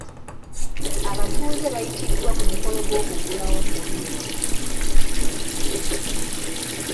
Abatuuze baayitiddwa ku mukolo gw'okuggulawo poliisi.